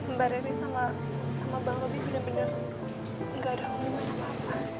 mbak rere sama bang robi bener bener gak ada hubungan apa apa